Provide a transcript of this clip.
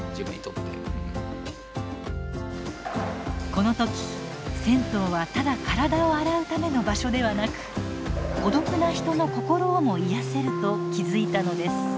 この時銭湯はただ体を洗うための場所ではなく孤独な人の心をも癒やせると気付いたのです。